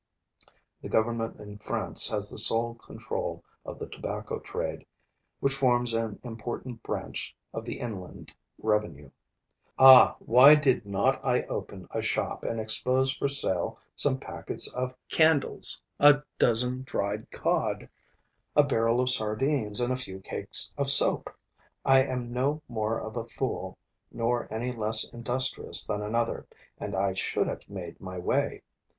[The government in France has the sole control of the tobacco trade, which forms an important branch of the inland revenue.] Ah, why did not I open a shop and expose for sale some packets of candles, a dozen dried cod, a barrel of sardines and a few cakes of soap! I am no more of a fool nor any less industrious than another; and I should have made my way.